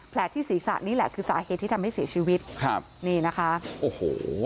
ที่ศีรษะนี่แหละคือสาเหตุที่ทำให้เสียชีวิตครับนี่นะคะโอ้โห